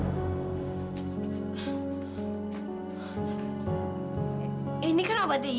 tante sadar tante